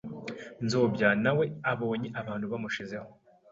Nzobya na we abonye abantu bamushizeho